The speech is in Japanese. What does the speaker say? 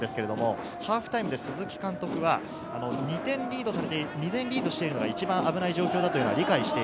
ハーフタイムで鈴木監督は２点リードしているのが一番危ない状況だというのは理解している。